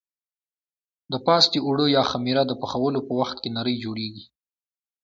د پاستي اوړه یا خمېره د پخولو په وخت کې نرۍ جوړېږي.